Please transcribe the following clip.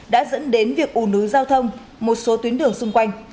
đã dẫn đến việc ủ nứ giao thông một số tuyến đường xung quanh